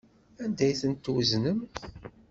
Anda ay tent-tweznem?